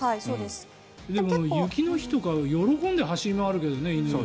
でも雪の日とか喜んで走り回るけど、犬。